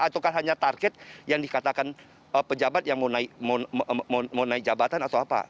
ataukah hanya target yang dikatakan pejabat yang mau naik jabatan atau apa